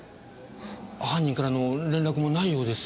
犯人からの連絡もないようですし。